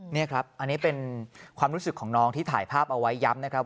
นี่ครับอันนี้เป็นความรู้สึกของน้องที่ถ่ายภาพเอาไว้ย้ำนะครับ